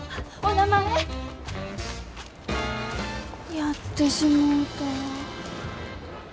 やってしもうたわ。